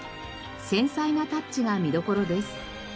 繊細なタッチが見どころです。